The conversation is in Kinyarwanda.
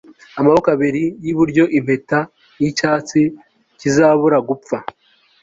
amaboko abiri y'iburyo. impeta nicyatsi kizabura gupfa